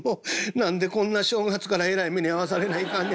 何でこんな正月からえらい目に遭わされないかんねや？